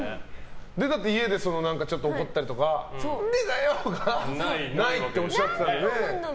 だって、家で怒ったりとかなんでだよ！がないっておっしゃってたんでね。